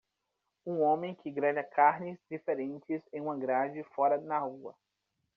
Um homem que grelha carnes diferentes em uma grade fora na rua.